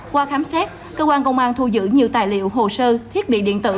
qua khám xét cơ quan công an thu giữ nhiều tài liệu hồ sơ thiết bị điện tử